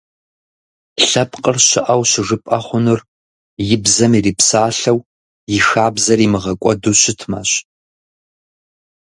Лъэпкъыр щыӀэу щыжыпӀэ хъунур и бзэм ирипсалъэу, и хабзэр имыгъэкӀуэду щытымэщ.